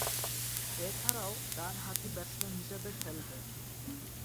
এছাড়াও, ডানহাতি ব্যাটসম্যান হিসেবে খেলতেন।